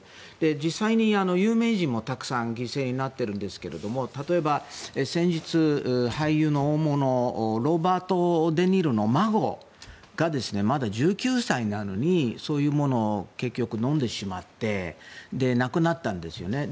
実際に有名人もたくさん犠牲になっているんですが例えば先日、俳優の大物ロバート・デ・ニーロの孫がまだ１９歳なのにそういうものを結局飲んでしまって亡くなったんですよね。